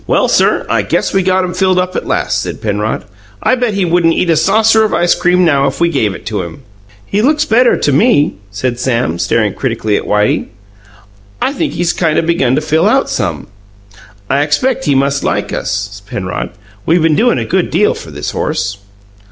"Well, sir, I guess we got him filled up at last!" said Penrod. "I bet he wouldn't eat a saucer of ice cream now, if we'd give it to him!" "He looks better to me," said Sam, staring critically at Whitey. "I think he's kind of begun to fill out some. I expect he must like us, Penrod; we been doin' a good deal for this horse."